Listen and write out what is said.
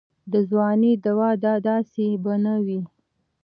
د ځوانۍ دوا دا داسې به نه وي.